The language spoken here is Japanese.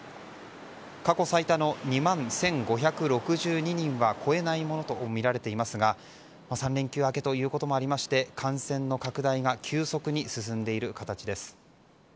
過去最多の２万１５６２人は超えないものとみられていますが３連休明けということもありまして、感染の拡大が急速に進んでいる形です。